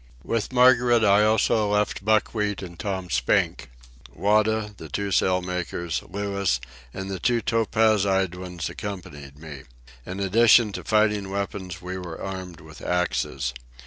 With Margaret I also left Buckwheat and Tom Spink. Wada, the two sail makers, Louis, and the two topaz eyed ones accompanied me. In addition to fighting weapons we were armed with axes.